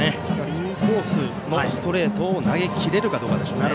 インコースのストレートを投げきれるかどうかでしょうね。